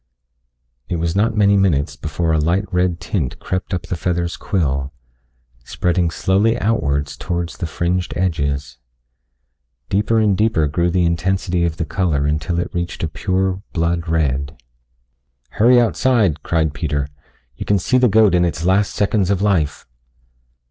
It was not many minutes before a light red tint crept up the feather's quill, spreading slowly outwards towards the fringed edges. Deeper and deeper grew the intensity of the color until it reached a pure blood red. "Hurry outside," cried Peter. "You can see the goat in its last seconds of life."